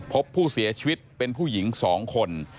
พบผู้เสียชีวิตเป็นผู้หญิง๒คน